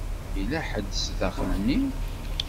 Yella ḥedd zdaxel-nni.